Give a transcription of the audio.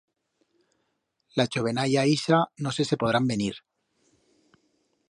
La chovenalla ixa no sé se podrán venir.